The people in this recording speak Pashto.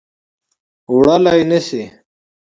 وړلای نه شي